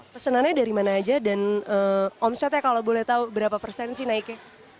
pesanannya dari mana aja dan omsetnya kalau boleh tahu berapa persen sih naiknya